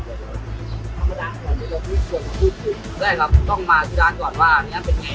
ประดาษแบบนี้แล้วพี่สูงว่ากูคุยใช่ครับต้องมาที่ร้านก่อนว่าอันเนี้ยเป็นยังไร